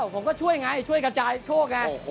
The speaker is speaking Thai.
ผมก็ช่วยไงช่วยกระจายโชคไง